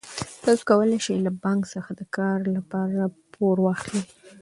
تاسو کولای شئ له بانک څخه د کار لپاره پور واخلئ.